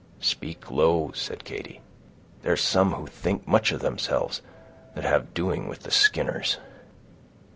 "Speak low," said Katy; "there's some who think much of themselves, that have doings with the Skinners."